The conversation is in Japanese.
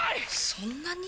そんなに！？